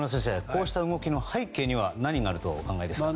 こうした動きの背景には何があるとお考えですか。